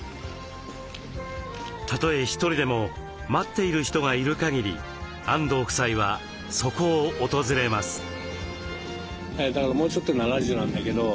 たとえ１人でも待っている人がいるかぎり安藤夫妻はそこを訪れます。